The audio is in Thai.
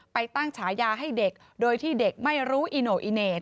ไปตั้งฉายาให้เด็กโดยที่เด็กไม่รู้อีโน่อีเนต